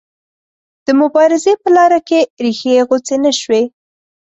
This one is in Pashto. د مبارزې په لاره کې ریښې یې غوڅې نه شوې.